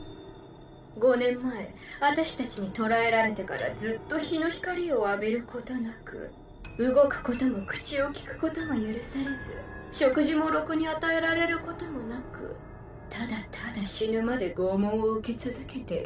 ５年前私たちに捕らえられてからずっと日の光を浴びることなく動くことも口を利くことも許されず食事もろくに与えられることもなくただただ死ぬまで拷問を受け続けてる。